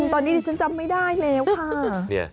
ตอนนี้ดิฉันจำไม่ได้แล้วค่ะ